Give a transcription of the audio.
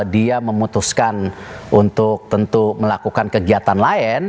dia memutuskan untuk tentu melakukan kegiatan lain